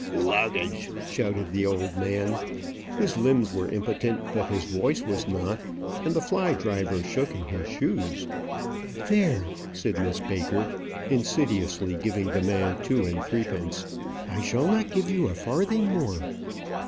"Luggage!" shouted the old man. His limbs were impotent, but his voice was not; and the fly driver shook in his shoes. "There," said Miss Baker, insidiously giving the man two and threepence. "I shall not give you a farthing more."